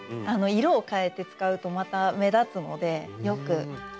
色を変えて使うとまた目立つのでよく使います。